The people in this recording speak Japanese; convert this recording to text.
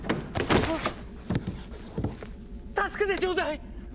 助けてちょうだい！